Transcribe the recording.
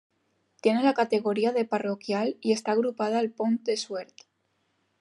Tiene la categoría de parroquial y está agrupada al Pont de Suert.